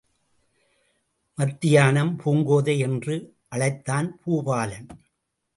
மத்தியானம்– பூங்கோதை! என்று அழைத்தான் பூபாலன்.